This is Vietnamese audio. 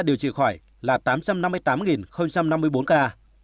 điều trị khỏi là tám trăm năm mươi tám năm mươi bốn ca